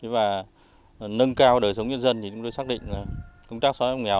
và nâng cao đời sống nhân dân thì chúng tôi xác định là công tác xã hội nghèo